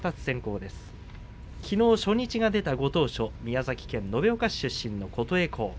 きのう初日が出た、ご当所宮崎県延岡市出身の琴恵光。